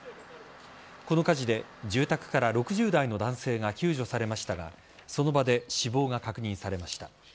この火事で住宅から６０代の男性が救助されましたがその場で死亡が確認されました。